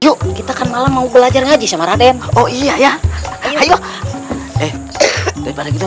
yuk kita kan malam mau belajar ngaji sama raden oh iya ya ayo eh kita pakai aja ayo